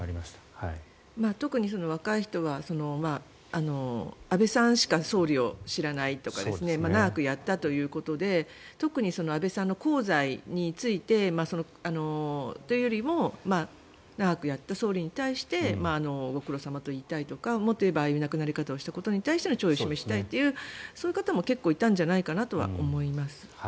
特に若い人は安倍さんしか総理を知らないとか長くやったということで特に安倍さんの功罪についてというよりも長くやった総理に対してご苦労様と言いたいとかもっと言えばああいう亡くなり方をしたことに対して弔意を示したいとかそういう方も結構いたんじゃないかなとは思います。